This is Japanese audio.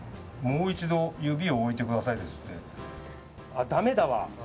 もう一度指を置いてくださいですって。